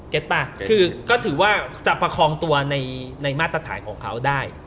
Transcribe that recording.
ป่ะคือก็ถือว่าจะประคองตัวในมาตรฐานของเขาได้